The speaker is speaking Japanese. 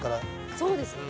そうですよね。